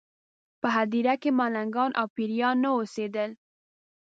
په هدیره کې ملنګان او پېران نه اوسېدل.